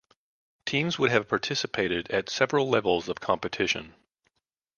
Teams would have participated at several levels of competition.